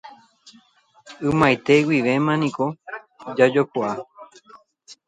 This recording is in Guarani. Ymaite guivéma niko jajokuaa.